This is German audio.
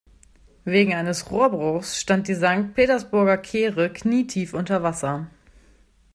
Wegen eines Rohrbruchs stand die Sankt-Petersburger Kehre knietief unter Wasser.